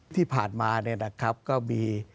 ที่ผ่านมาเนี่ยนะครับก็มี